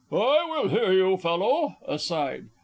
I will hear you, fellow! (_Aside.